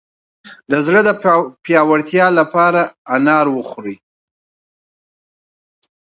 د زړه د پیاوړتیا لپاره انار وخورئ